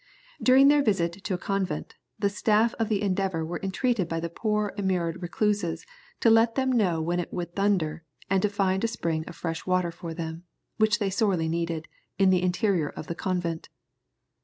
During their visit to a convent, the staff of the Endeavour were entreated by the poor immured recluses to let them know when it would thunder, and to find a spring of fresh water for them, which they sorely needed, in the interior of the convent.